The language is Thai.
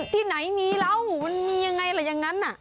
ที่ไหนมีหรอมันมียังไงยังงั้นน่ะ